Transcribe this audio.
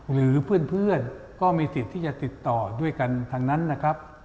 หรือเพื่อนก็มีสิทธิ์ที่จะติดต่อด้วยกันทั้งนั้นนะครับ